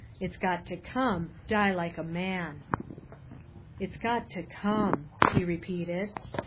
It's got to come. Die like a man." " It's got to come," he repeated.